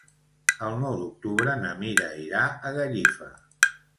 El nou d'octubre na Mira irà a Gallifa.